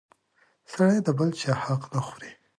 سړی د بل چا حق نه خوري!